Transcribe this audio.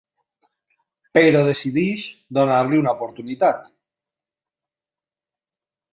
Però decideix donar-li una oportunitat.